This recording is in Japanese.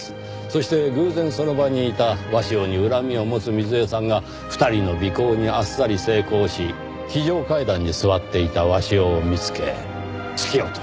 そして偶然その場にいた鷲尾に恨みを持つ瑞枝さんが２人の尾行にあっさり成功し非常階段に座っていた鷲尾を見つけ突き落とした。